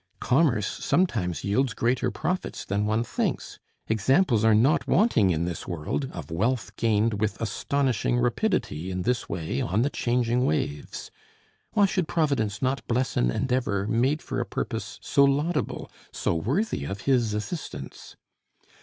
Commerce sometimes yields greater profits than one thinks; examples are wanting in this world of wealth gained with astonishing rapidity in this way on the changing waves why should Providence not bless an endeavor made for a purpose so laudable, so worthy of His assistance?